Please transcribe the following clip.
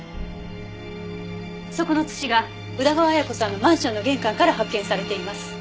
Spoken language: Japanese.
そこの土が宇田川綾子さんのマンションの玄関から発見されています。